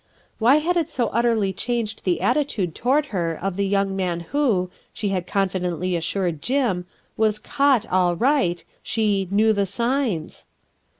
Why had it so utterly change! the attitude toward her of tho young man who she had confidently assured Jim, was "caught' all right," she "knew the signs"?